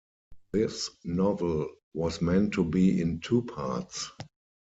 This novel was meant to be in two parts.